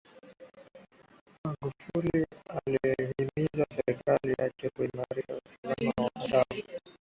magufuli alihimiza serikali yake kuimarisha usalama wa dhahabu